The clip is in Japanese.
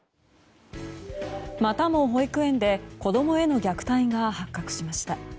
またも、保育園で子供への虐待が発覚しました。